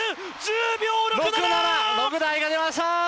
６台が出ました！